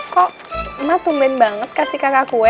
kok emak tumben banget kasih kakak kue